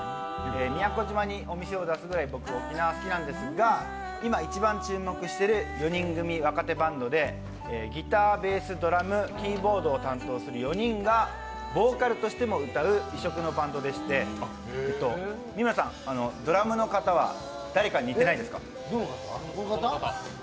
宮古島にお店を出すくらい僕は沖縄が好きなんですが、今一番注目している４人組若手バンドで、ギター、ベース、ドラム、キーボードを担当する４人がボーカルとしても歌う異色のバンドでして、三村さん、ドラムの方は誰かに似てないですか？